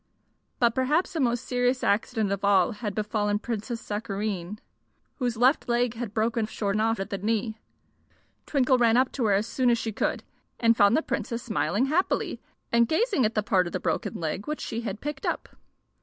But perhaps the most serious accident of all had befallen Princess Sakareen, whose left leg had broken short off at the knee. Twinkle ran up to her as soon as she could, and found the Princess smiling happily and gazing at the part of the broken leg which she had picked up.